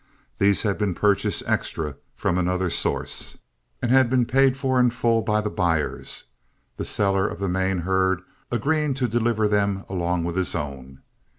These had been purchased extra from another source, and had been paid for in full by the buyers, the seller of the main herd agreeing to deliver them along with his own.